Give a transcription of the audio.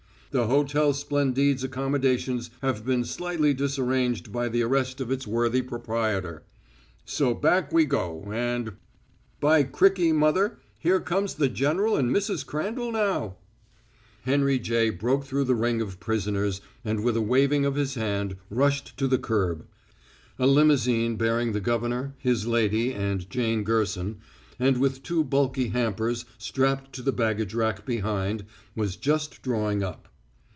The Hotel Splendide's accommodations have been slightly disarranged by the arrest of its worthy proprietor.' So back we go, and by cricky, mother, here comes the general and Mrs. Crandall now!" Henry J. broke through the ring of passengers, and with a waving of his hat, rushed to the curb. A limousine bearing the governor, his lady and Jane Gerson, and with two bulky hampers strapped to the baggage rack behind, was just drawing up.